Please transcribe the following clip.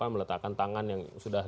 meletakkan tangan yang sudah